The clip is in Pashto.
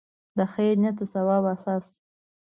د خیر نیت د ثواب اساس دی.